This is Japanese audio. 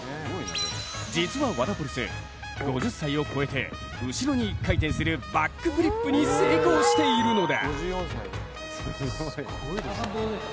実はワダポリス、５０歳を超えて後ろに一回転するバックフリップに成功しているのだ。